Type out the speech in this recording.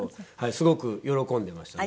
すごく喜んでましたね。